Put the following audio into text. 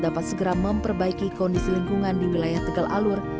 dapat segera memperbaiki kondisi lingkungan di wilayah tegal alur